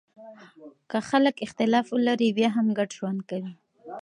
که خلګ اختلاف ولري بیا هم ګډ ژوند کوي.